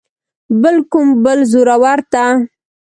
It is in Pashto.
بل کوم بل زورور ته.